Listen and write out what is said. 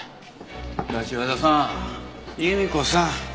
柏田さん由美子さん。